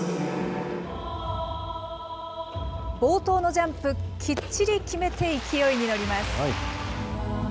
冒頭のジャンプ、きっちり決めて勢いに乗ります。